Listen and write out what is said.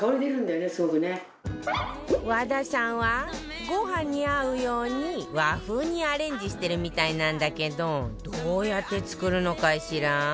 和田さんはご飯に合うように和風にアレンジしてるみたいなんだけどどうやって作るのかしら？